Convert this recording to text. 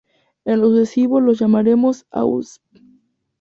En lo sucesivo los llamaremos "Au_Sp".